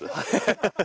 ハハハハ！